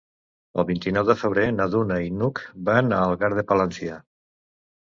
El vint-i-nou de febrer na Duna i n'Hug van a Algar de Palància.